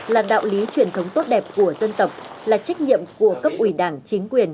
là đạo lý truyền thống tốt đẹp của dân tộc là trách nhiệm của cấp ủy đảng chính quyền